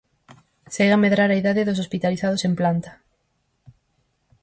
Segue a medrar a idade dos hospitalizados en planta.